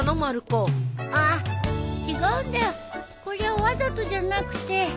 これわざとじゃなくて。